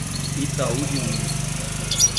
Itaú de Minas